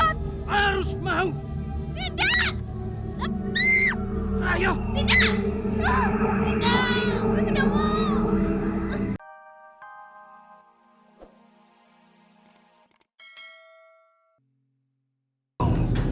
harus mau tidak